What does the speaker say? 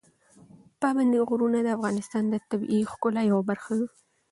پابندي غرونه د افغانستان د طبیعي ښکلا یوه برخه ده.